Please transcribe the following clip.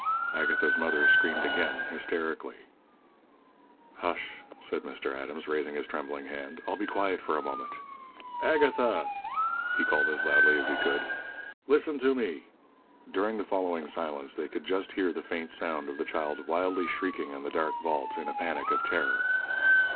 Agatha's mother screamed again, hysterically. "Hush!" said Mr. Adams, raising his trembling hand. "All be quite for a moment. Agatha!" he called as loudly as he could. "Listen to me." During the following silence they could just hear the faint sound of the child wildly shrieking in the dark vault in a panic of terror.